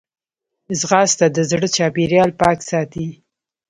ځغاسته د زړه چاپېریال پاک ساتي